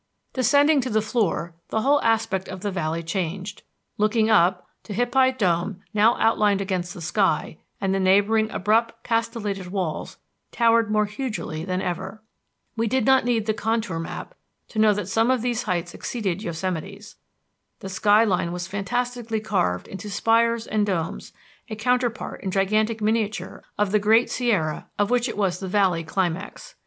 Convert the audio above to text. Descending to the floor, the whole aspect of the valley changed. Looking up, Tehipite Dome, now outlined against the sky, and the neighboring abrupt castellated walls, towered more hugely than ever. We did not need the contour map to know that some of these heights exceeded Yosemite's. The sky line was fantastically carved into spires and domes, a counterpart in gigantic miniature of the Great Sierra of which it was the valley climax.